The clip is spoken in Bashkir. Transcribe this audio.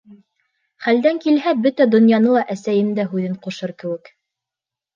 Хәлдән килһә, бөтә донъяны ла Әсәйем дә һүҙен ҡушыр кеүек: